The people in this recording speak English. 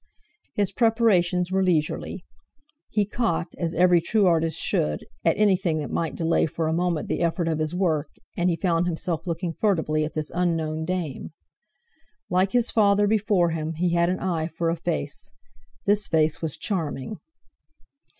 His preparations were leisurely; he caught, as every true artist should, at anything that might delay for a moment the effort of his work, and he found himself looking furtively at this unknown dame. Like his father before him, he had an eye for a face. This face was charming!